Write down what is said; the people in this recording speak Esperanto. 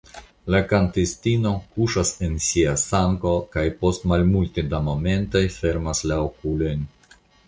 La kantistino kuŝas en sia sango kaj post malmulte da momentoj fermas la okulojn.